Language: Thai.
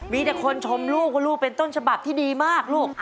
มีอะไรหรือเปล่าหรือครับ